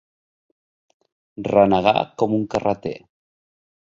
Renegar com un carreter.